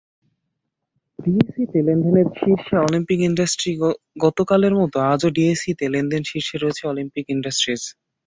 ডিএসইতে লেনদেনে শীর্ষে অলিম্পিক ইন্ডাস্ট্রিজগতকালের মতো আজও ডিএসইতে লেনদেনে শীর্ষে রয়েছে অলিম্পিক ইন্ডাস্ট্রিজ।